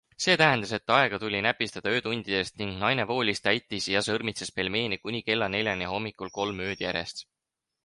See tähendas, et aega tuli näpistada öötundidest, ning naine voolis, täitis ja sõrmitses pelmeene kinni kella neljani hommikul kolm ööd järjest.